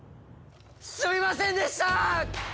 すいませんでした！！